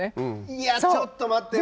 いやちょっと待ってよ